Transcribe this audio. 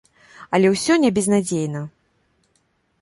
Але ўсё не безнадзейна.